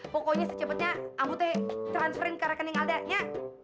pokoknya secepetnya ambu teh transferin ke rekening alda nya